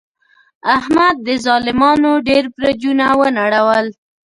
احمد د ظالمانو ډېر برجونه و نړول.